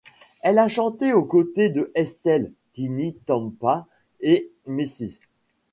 Elle a chanté aux côtés de Estelle, Tinie Tempah et Ms.